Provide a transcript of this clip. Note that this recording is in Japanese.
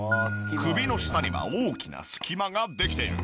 首の下には大きな隙間ができている。